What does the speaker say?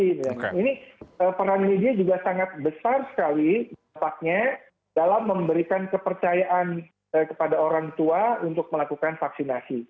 ini peran media juga sangat besar sekali dampaknya dalam memberikan kepercayaan kepada orang tua untuk melakukan vaksinasi